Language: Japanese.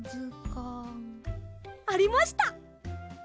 ありました！